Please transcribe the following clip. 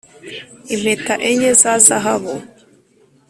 impeta enye za zahabu